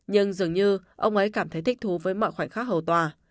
nhưng dường như ông ấy cảm thấy thích thú với mọi khoảnh khắc hầu tòa